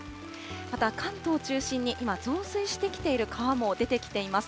また、関東中心に今、増水してきている川も出てきています。